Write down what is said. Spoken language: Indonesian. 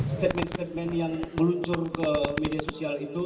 statement statement yang meluncur ke media sosial itu